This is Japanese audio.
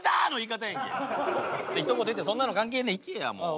ひと言言ってそんなの関係ねえいけやもう。